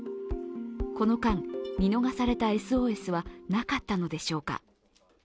この間、見逃されたＳＯＳはなかったのでしょうか。